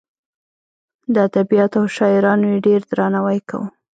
د ادبیاتو او شاعرانو یې ډېر درناوی کاوه.